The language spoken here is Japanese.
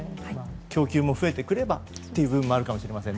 供給も増えてくればという分もあるかもしれません。